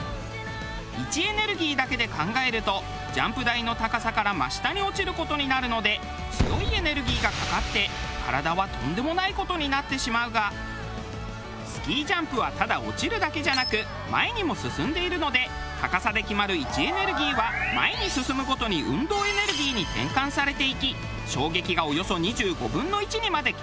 位置エネルギーだけで考えるとジャンプ台の高さから真下に落ちる事になるので強いエネルギーがかかって体はとんでもない事になってしまうがスキージャンプはただ落ちるだけじゃなく前にも進んでいるので高さで決まる位置エネルギーは前に進むごとに運動エネルギーに転換されていき衝撃がおよそ２５分の１にまで軽減されるんだそう。